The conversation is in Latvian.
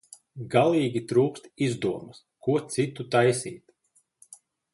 Galīgi trūkst izdomas, ko citu taisīt.